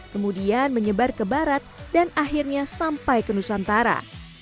kemudian menyebar ke barat dan akhirnya sampai ke nusantara